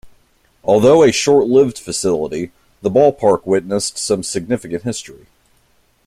Although a short-lived facility, the ballpark witnessed some significant history.